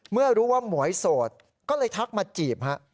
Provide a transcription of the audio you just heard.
เมื่อรู้ว่าหมวยโสดก็เลยทักมาจีบฮะ